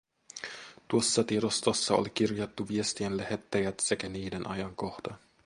Tuossa tiedostossa oli kirjattu viestien lähettäjät sekä niiden ajankohta.